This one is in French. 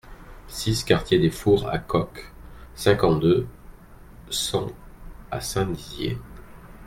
six quartier des Fours à Coke, cinquante-deux, cent à Saint-Dizier